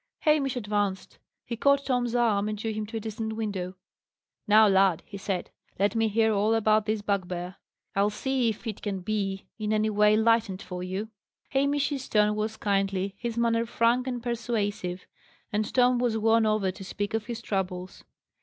Hamish advanced. He caught Tom's arm and drew him to a distant window. "Now, lad," he said, "let me hear all about this bugbear. I'll see if it can be in any way lightened for you." Hamish's tone was kindly, his manner frank and persuasive, and Tom was won over to speak of his troubles.